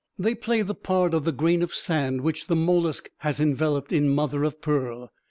They play the part of the grain of sand which the mollusc has enveloped in mother of pearl.